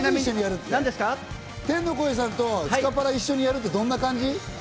天の声さんとスカパラ、一緒にやるってどんな感じ？